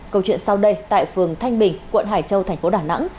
câu chuyện sau đây tại phường thanh bình quận hải châu thành phố đà nẵng